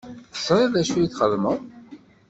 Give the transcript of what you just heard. Teẓṛiḍ d acu i txedmeḍ?